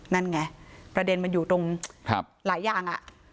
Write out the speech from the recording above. นั่นไงประเด็นมันอยู่ตรงหลายอย่าง